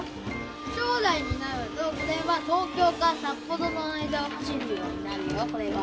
将来になるとこれは東京から札幌の間を走るようになるよ。